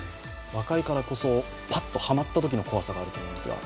若いからこそ、パッとはまったときの怖さがあると思うんですが。